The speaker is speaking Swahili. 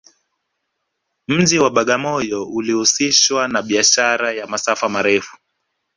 mji wa bagamoyo ulihusishwa na biashara ya masafa marefu